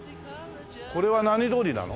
これは何通りなの？